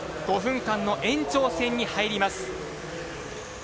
５分間の延長戦に入ります。